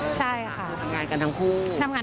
ใช่ค่ะกับ